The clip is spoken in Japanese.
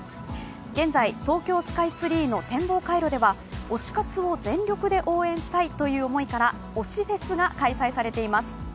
現在、東京スカイツリーの天望回廊では推し活を全力で応援したいという思いから推しＦＥＳ！が開催されています。